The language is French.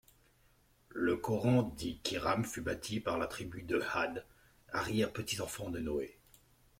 Le Coran dit qu’Iram fut bâtie par la tribu de ʿĀd, arrière-petits-enfants de Noé.